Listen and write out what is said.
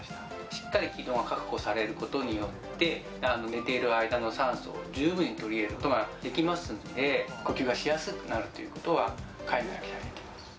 しっかり気道が確保されることによって寝ている間の酸素を十分に取り入れることができますので呼吸がしやすくなるということは快眠が期待できます